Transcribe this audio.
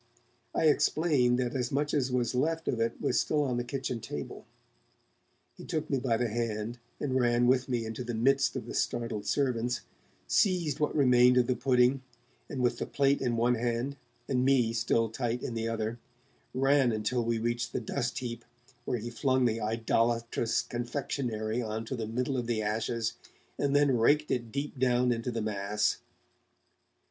I explained that as much as was left of it was still on the kitchen table. He took me by the hand, and ran with me into the midst of the startled servants, seized what remained of the pudding, and with the plate in one hand and me still tight in the other, ran until we reached the dust heap, when he flung the idolatrous confectionery on to the middle of the ashes, and then raked it deep down into the mass.